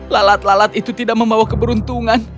lalat lalat itu tidak membawa keberuntungan